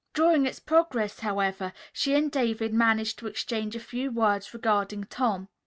During its progress, however, she and David managed to exchange a few words regarding Tom.